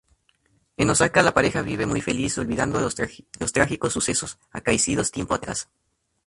En osaka la pareja vive mu feliz olvidando los trágicos sucesos acaecidos tiempo atrás.